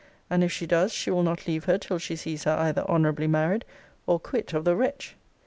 And if she does, she will not leave her till she sees her either honourably married, or quit of the wretch.'